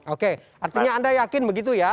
oke artinya anda yakin begitu ya